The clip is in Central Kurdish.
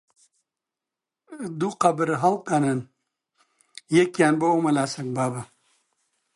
-دوو قەبر هەڵقەنن، یەکیان بۆ ئەو مەلا سەگبابە!